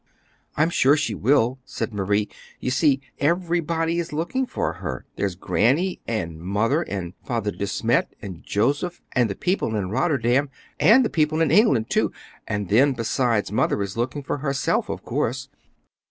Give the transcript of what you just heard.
"I'm sure she will," said Marie. "You see everybody is looking for her. There's Granny, and Mother and Father De Smet, and Joseph, and the people in Rotterdam, and the people in England, too; and then, besides, Mother is looking for herself, of course!"